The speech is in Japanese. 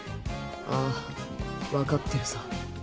ああ分かってるさ。